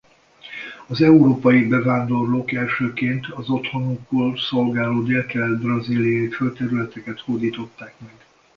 Az európai bevándorlók elsőként az otthonokul szolgáló délkelet-brazíliai földterületeket hódították meg.